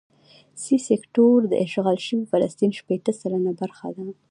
سي سیکټور د اشغال شوي فلسطین شپېته سلنه برخه ده.